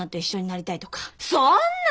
そんな！